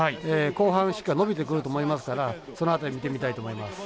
後半しっかり伸びてくると思いますからその辺り見てみたいと思います。